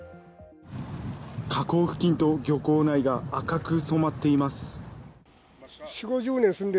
河口付近と漁港内が赤く染まっています。